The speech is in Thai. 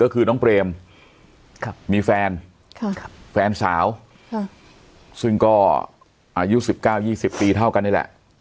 ก็คือน้องเปรมมีแฟนแฟนสาวซึ่งก็อายุ๑๙๒๐ปีเท่ากันนี่แหละ